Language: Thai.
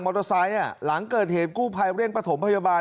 มอเตอร์ไซต์ลงเกิดเหตุกู้ภัยเรียนปฐมพยาบาล